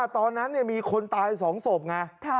ตอนนั้นมีคนตาย๒ศพไง